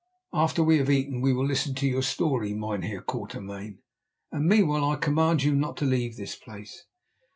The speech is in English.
After we have eaten we will listen to your story, Mynheer Quatermain, and meanwhile I command you not to leave this place."